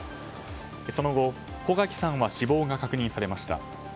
その後、穂垣さんは死亡が確認されました。